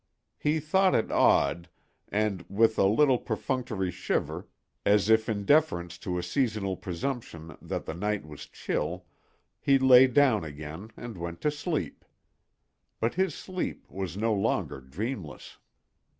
He thought it odd, and with a little perfunctory shiver, as if in deference to a seasonal presumption that the night was chill, he lay down again and went to sleep. But his sleep was no longer dreamless.